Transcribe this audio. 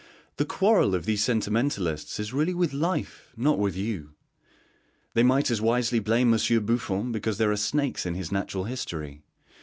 The quarrel of these sentimentalists is really with life, not with you; they might as wisely blame Monsieur Buffon because there are snakes in his Natural History.